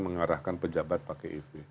mengarahkan pejabat pakai ev